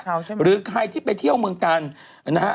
ใช่ไหมหรือใครที่ไปเที่ยวเมืองกันนะฮะ